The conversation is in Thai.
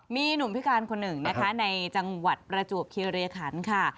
มีหนุ่มพิการคนหนึ่งในจังหวะประจวบเครียร์ยคันค่ะ